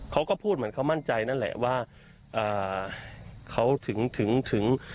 เขาก็พูดเหมือนเขามั่นใจนั่นแหละว่าอ่าเขาถึงถึง